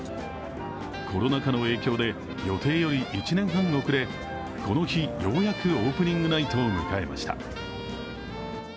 コロナ禍の影響で予定より１年半遅れ、この日ようやくオープニングナイトを迎えました。